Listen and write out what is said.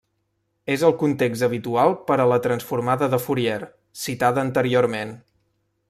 És el context habitual per a la Transformada de Fourier, citada anteriorment.